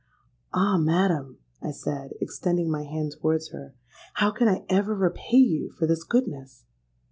'—'Ah! madam,' I said, extending my hand towards her, 'how can I ever repay you for this goodness?'